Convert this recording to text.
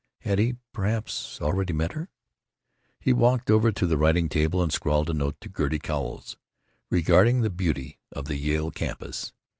Had he, perhaps, already met her? He walked over to the writing table and scrawled a note to Gertie Cowles—regarding the beauty of the Yale campus.